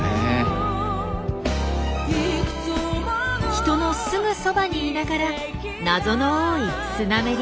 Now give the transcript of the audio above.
人のすぐそばにいながら謎の多いスナメリ。